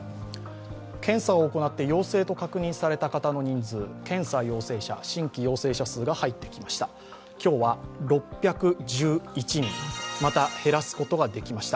検査を行って陽性とされた方の人数、検査陽性者、新規陽性者数が入ってきました。